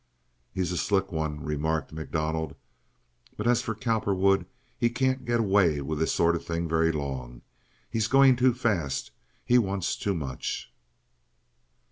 "He's a slick one," remarked MacDonald. "But as for Cowperwood, he can't get away with this sort of thing very long. He's going too fast. He wants too much."